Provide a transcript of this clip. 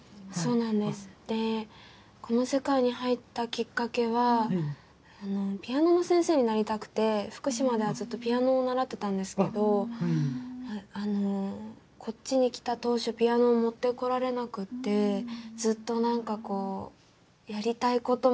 この世界に入ったきっかけはピアノの先生になりたくて福島ではずっとピアノを習ってたんですけどこっちに来た当初ピアノを持ってこられなくてずっと何かこうやりたいこともない